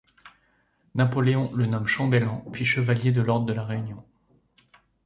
Napoléon le nomme chambellan, puis chevalier de l'ordre de la Réunion.